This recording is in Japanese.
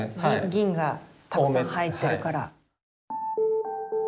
銀がたくさん入ってるから。